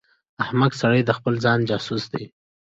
احمق سړی د خپل ځان جاسوس دی.